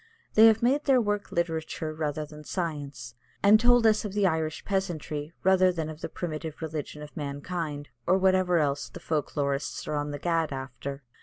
They have made their work literature rather than science, and told us of the Irish peasantry rather than of the primitive religion of mankind, or whatever else the folk lorists are on the gad after.